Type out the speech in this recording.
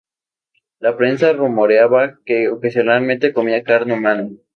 La prensa rumoreaba que ocasionalmente comía carne humana.